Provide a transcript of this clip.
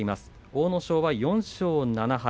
阿武咲４勝７敗